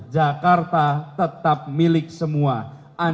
jakarta tetap milik semua